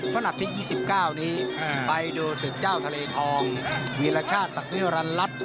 ไปดูศิษย์เจ้าทะเลทองวีรชาติศักดิ์รันรัฐ